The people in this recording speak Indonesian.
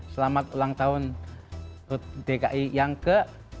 selamat ulang tahun dki yang ke